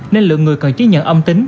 nên lượng người cần chí nhận âm tính